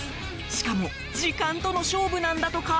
しかも時間との勝負なんだとか。